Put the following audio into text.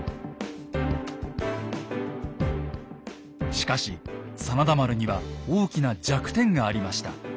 しかし真田丸には大きな弱点がありました。